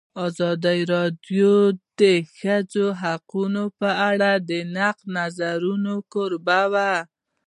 ازادي راډیو د د ښځو حقونه په اړه د نقدي نظرونو کوربه وه.